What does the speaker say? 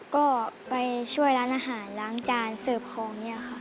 ก็ไปช่วยร้านอาหารล้างจานเสิร์ฟของเนี่ยค่ะ